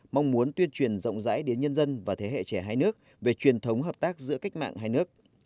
mong muốn tuyên truyền rộng rãi đến nhân dân và thế hệ trẻ hai nước về truyền thống hợp tác giữa cách mạng hai nước